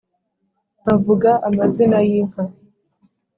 nkavuga amazina y’ inka,